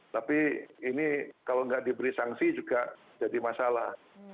tapi ini kalau nggak diberi sanksi juga jadi masalah